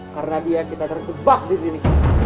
karena dia yang kita terjebak disini